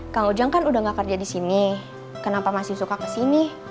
kang ujang kan udah gak kerja di sini kenapa masih suka kesini